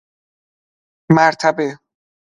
مرتبه